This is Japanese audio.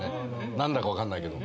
何だか分かんないけど。